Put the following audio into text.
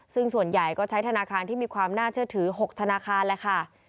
ซึ่งส่วนใหญ่ก็ใช้ธนาคารที่มีความน่าเชื่อถือ๖ธนาคารแหละค่ะ